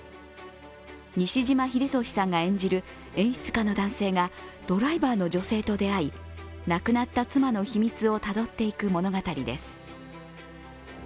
西島秀俊さんが演じる演出家の男性がドライバーの女性と出会い亡くなった妻の秘密をたどっていく物語です。